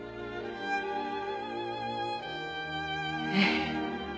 ええ。